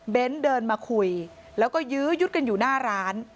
เดินมาคุยแล้วก็ยื้อยุดกันอยู่หน้าร้าน